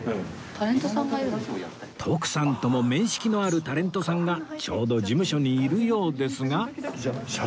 徳さんとも面識のあるタレントさんがちょうど事務所にいるようですが